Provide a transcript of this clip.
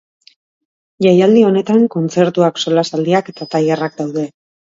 Jaialdi honetan, kontzertuak, solasaldiak eta tailerrak daude.